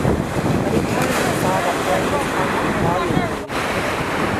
But he turned and saw that Harry was talking volubly.